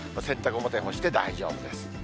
洗濯物、表へ干して大丈夫です。